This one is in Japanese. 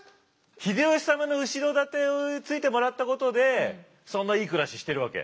秀吉様の後ろ盾をついてもらったことでそんないい暮らししてるわけ？